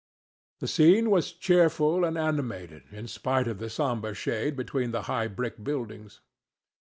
The scene was cheerful and animated in spite of the sombre shade between the high brick buildings.